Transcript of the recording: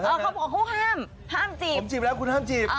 เขาบอกเขาห้ามห้ามจีบผมจีบแล้วคุณห้ามจีบ